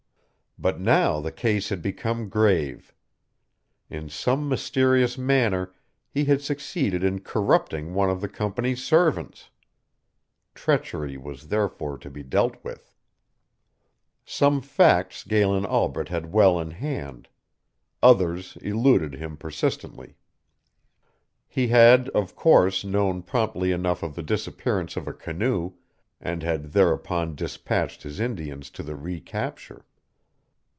But now the case had become grave. In some mysterious manner he had succeeded in corrupting one of the Company's servants. Treachery was therefore to be dealt with. Some facts Galen Albret had well in hand. Others eluded him persistently. He had, of course, known promptly enough of the disappearance of a canoe, and had thereupon dispatched his Indians to the recapture.